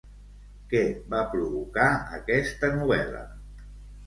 Què va provocar aquesta novel·la?